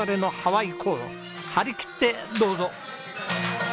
張り切ってどうぞ！